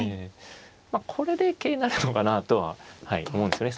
まあこれで桂成るのかなとは思うんですよね。